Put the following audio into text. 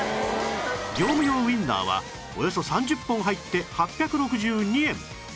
業務用ウインナーはおよそ３０本入って８６２円